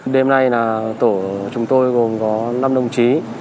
đêm nay là tổ chúng tôi gồm có năm đồng chí